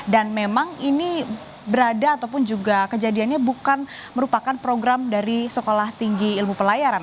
dan memang ini berada ataupun juga kejadiannya bukan merupakan program dari sekolah tinggi ilmu pelayaran